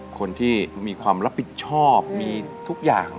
คนที่มีความรับผิดชอบมีทุกอย่าง